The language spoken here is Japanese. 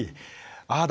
ああだ